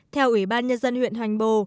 theo ủy ban nhân dân huyện hoành bồ